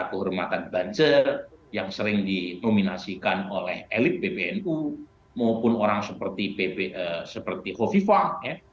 kehormatan bancer yang sering dinominasikan oleh elit bpnu maupun orang seperti hovi fang